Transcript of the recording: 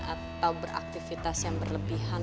atau beraktifitas yang berlebihan